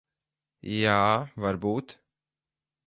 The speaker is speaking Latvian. Jā, varbūt.